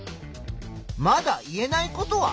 まだ言えないことは？